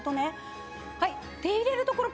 はい手入れる所